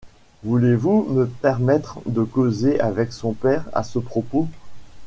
Voulez-vous me permettre de causer avec son père à ce propos ?